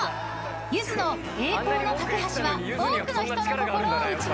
［ゆずの『栄光の架橋』は多くの人の心を打ちました］